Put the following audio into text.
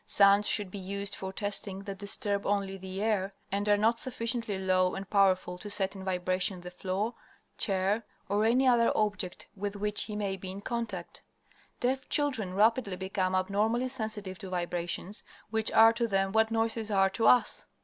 Sounds should be used for testing that disturb only the air, and are not sufficiently low and powerful to set in vibration the floor, chair, or any other object with which he may be in contact. Deaf children rapidly become abnormally sensitive to vibrations, which are to them what noises are to us.